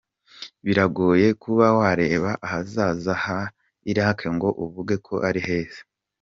Biragoye kuba wareba ahazaza ha Iraq ngo uvuge ko ari heza.